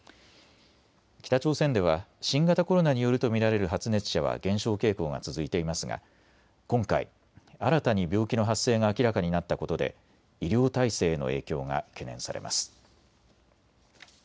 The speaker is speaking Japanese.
北朝鮮では新型コロナによると見られる発熱者は減少傾向が続いていますが今回、新たに病気の発生が明らかになったことで医療態勢への影響が懸念されます。